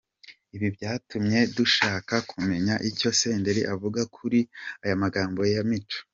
Ibi byatumye dushaka kumenya icyo Senderi avuga kuri aya magambo ya Mico.